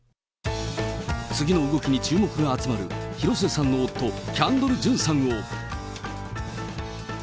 次の動きに注目が集まる広末さんの夫、キャンドル・ジュンさんを。